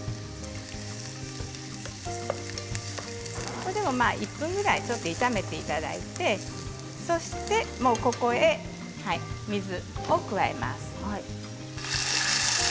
ここでも１分ぐらい炒めていただいてそしてここに水を加えます。